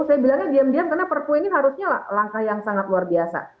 saya bilangnya diam diam karena perpu ini harusnya langkah yang sangat luar biasa